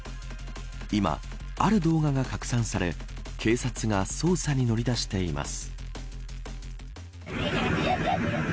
今、ある動画が拡散され警察が捜査に乗り出しています。